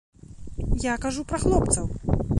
Я кажу пра хлопцаў.